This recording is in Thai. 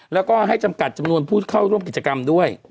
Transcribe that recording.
แล้วก็ให้จำกัดจำนวนผู้เข้าร่วมกิจกรรมด้วย